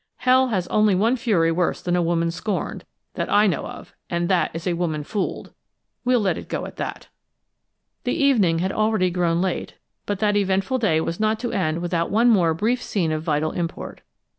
Hell has only one fury worse than a woman scorned, that I know of, and that is a woman fooled! We'll let it go at that!" The evening had already grown late, but that eventful day was not to end without one more brief scene of vital import.